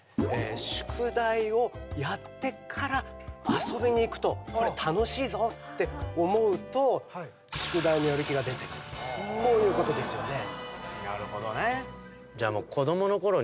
宿題をやってから遊びに行くとこれ楽しいぞって思うと宿題のやる気が出てくるこういうことですよね